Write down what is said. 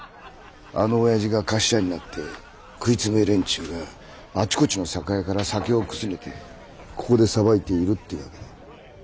あのおやじが頭になって食い詰め連中があちこちの酒屋から酒をくすねてここでさばいているってわけで。